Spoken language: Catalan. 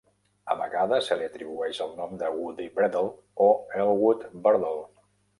A vegades se li atribueix el nom de Woody Bredell o Elwood Burdell.